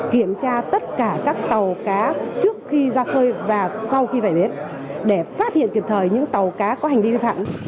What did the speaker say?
kiểm tra tất cả các tàu cá trước khi ra khơi và sau khi về bến để phát hiện kịp thời những tàu cá có hành vi vi phạm